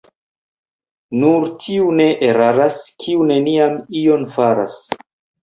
Nur tiu ne eraras, kiu neniam ion faras.